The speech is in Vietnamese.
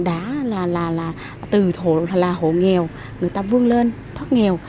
thì đã là từ hộ nghèo người ta vươn lên thoát nghèo